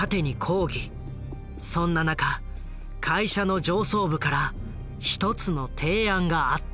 そんな中会社の上層部から一つの提案があった。